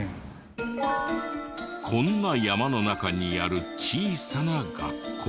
こんな山の中にある小さな学校。